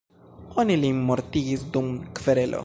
Oni lin mortigis dum kverelo.